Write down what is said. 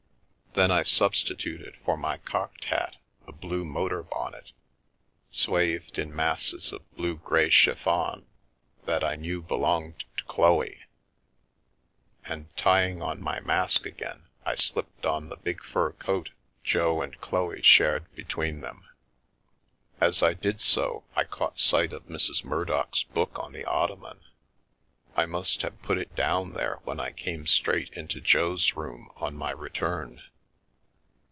Then I su it n The Rape of the Lock stituted for my cocked hat a blue motor bonnet, swathed in masses of blue grey chiffon, that I knew belonged to Chloe, and tying on my mask again I slipped on the big fur coat Jo and Chloe shared between them. As I did so, I caught sight of Mrs. Murdochs book on the otto man; I must have put it down there when I came straight into Jo's room on my return.